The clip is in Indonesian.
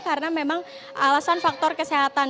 karena memang alasan faktor kesehatan